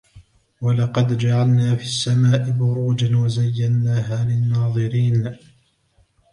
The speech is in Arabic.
ولقد جعلنا في السماء بروجا وزيناها للناظرين